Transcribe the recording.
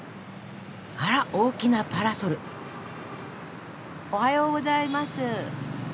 あら大きなパラソル。おはようございます。